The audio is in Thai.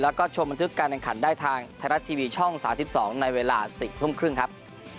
แล้วก็ชมบันทึกการแข่งขันได้ทางไทยรัฐทีวีช่อง๓๒ในเวลา๔ทุ่มครึ่งครับ